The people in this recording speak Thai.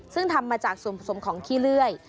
ซึ่งทำมาจากส่วนผสมของขี้เลื่อย